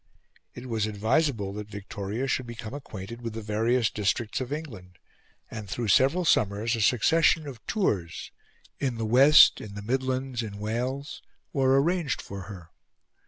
It was advisable that Victoria should become acquainted with the various districts of England, and through several summers a succession of tours in the West, in the Midlands, in Wales were arranged for her.